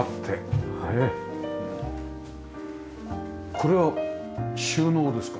これは収納ですか？